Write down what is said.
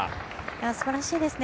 すばらしいですね。